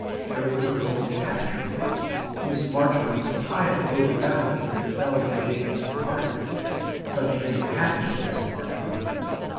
There was a little catastrophe. Miss Marchmont's pile overbalanced and fell into Jacob's compartment. Such things happened to Miss Marchmont.